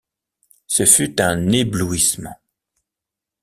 Ce fut un éblouissement.